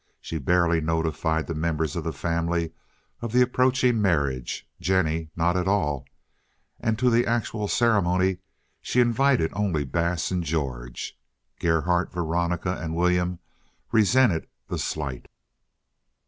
She barely notified the members of the family of the approaching marriage—Jennie not at all—and to the actual ceremony she invited only Bass and George. Gerhardt, Veronica, and William resented the slight.